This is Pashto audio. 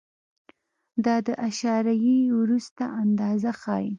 دا د اعشاریې وروسته اندازه ښیي.